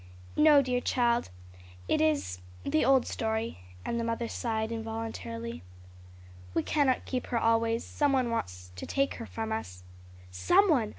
"No, dear child. It is the old story:" and the mother sighed involuntarily. "We cannot keep her always; some one wants to take her from us." "Some one!